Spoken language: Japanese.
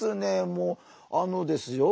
もうあのですよ